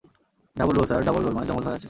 Double roll sir, - double roll, মানে যমজ ভাই আছে।